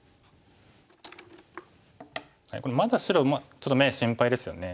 まだ白ちょっと眼心配ですよね。